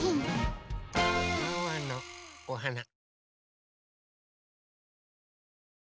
ワンワンのおはな。